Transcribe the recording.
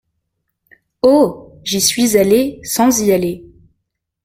Oh ! j'y suis allé sans y aller !